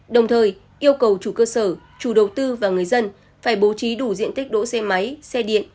đồng thời yêu cầu chủ cơ sở chủ đầu tư và người dân phải bố trí đủ diện tích đỗ xe máy xe điện